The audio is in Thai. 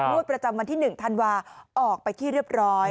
งวดประจำวันที่๑ธันวาออกไปที่เรียบร้อย